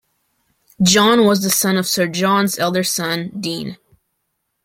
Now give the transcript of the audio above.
John was the son of Sir John's elder son Dean.